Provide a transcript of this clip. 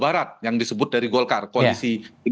karena apa dianggap ridwan kamil tetap di jalan